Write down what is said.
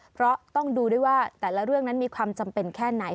เพราะต้องดูด้วยว่าแต่ละเรื่องนั้นมีความจำเป็นแค่ไหน